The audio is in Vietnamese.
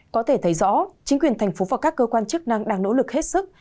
có thể thấy rõ chính quyền tp hcm và các cơ quan chức năng đang nỗ lực hết sức